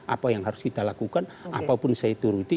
apa yang harus kita lakukan apapun saya turuti